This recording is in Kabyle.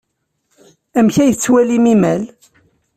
Amek ay tettwalim imal?